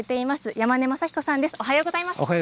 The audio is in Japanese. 山根政彦さんです。